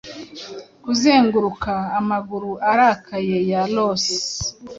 Kuzenguruka amaguru arakaye ya Losi